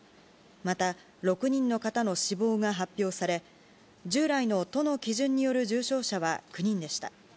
また６人の方の死亡が発表され、従来の都の基準による重症者は９人でした。